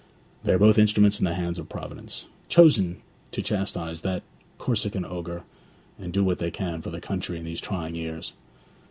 'They are both instruments in the hands of Providence, chosen to chastise that Corsican ogre, and do what they can for the country in these trying years.'